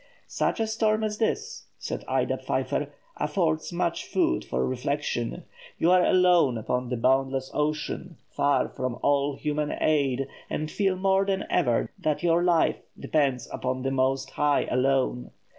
"Such a storm as this," says Ida Pfeiffer, "affords much food for reflection. You are alone upon the boundless ocean, far from all human aid, and feel more than ever that your life depends upon the Most High alone.